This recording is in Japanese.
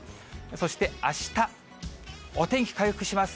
そして、あした、お天気回復します。